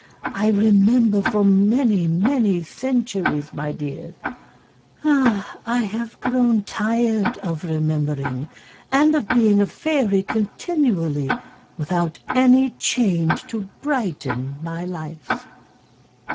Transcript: I remember for many, many centuries, my dears. I have grown tired of remembering and of being a fairy continually, without any change to brighten my life."